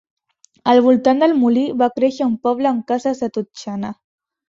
Al voltant del molí va créixer un poble amb cases de totxana.